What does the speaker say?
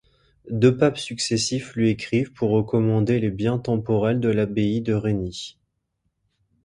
Deux papes successifs lui écrivent pour recommander les biens temporels de l'abbaye de Reigny.